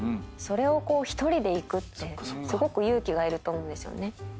それを１人で行くってすごく勇気がいると思うんですよね。